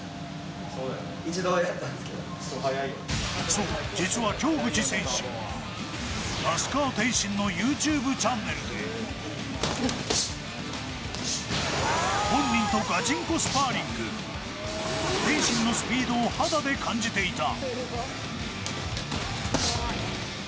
そう、実は京口選手、那須川天心のＹｏｕＴｕｂｅチャンネルで本人とガチンコスパーリング、天心のスピードを肌で感じていた。